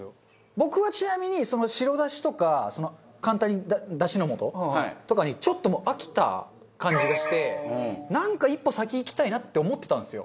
僕はちなみに白だしとか簡単にだしの素とかにちょっともう飽きた感じがしてなんか一歩先いきたいなって思ってたんですよ。